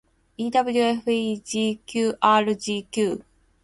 ewfegqrgq